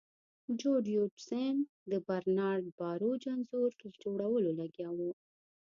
جو ډیویډ سن د برنارډ باروچ انځور جوړولو لګیا و